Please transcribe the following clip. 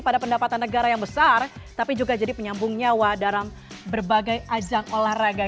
pada pendapatan negara yang besar tapi juga jadi penyambung nyawa dalam berbagai ajang olahraga